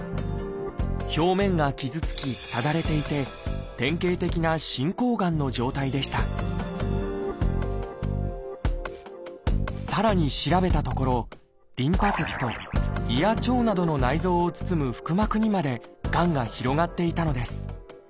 表面が傷つきただれていて典型的な進行がんの状態でしたさらに調べたところリンパ節と胃や腸などの内臓を包む腹膜にまでがんが広がっていたのです。